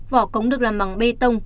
vỏ cống được làm bằng bê tông